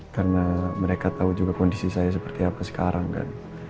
karena mereka tahu juga kondisi saya seperti apa sekarang kan